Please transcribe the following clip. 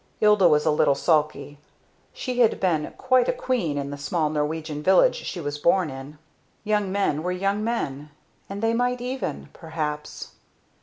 Ilda was a little sulky. She had been quite a queen in the small Norwegian village she was born in. Young men were young men and they might even perhaps!